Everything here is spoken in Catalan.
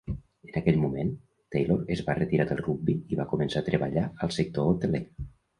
En aquell moment, Taylor es va retirar del rugbi i va començar a treballar al sector hoteler.